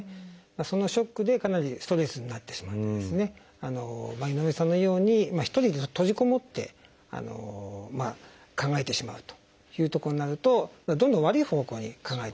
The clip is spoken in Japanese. そのショックでかなりストレスになってしまって井上さんのように一人で閉じこもって考えてしまうというところになるとどんどん悪い方向に考えてしまうという。